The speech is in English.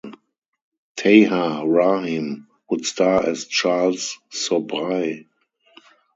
Tahar Rahim would star as Charles Sobhraj.